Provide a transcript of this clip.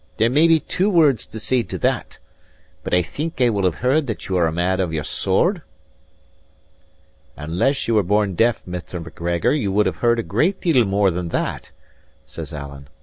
"There may be two words to say to that. But I think I will have heard that you are a man of your sword?" "Unless ye were born deaf, Mr. Macgregor, ye will have heard a good deal more than that," says Alan.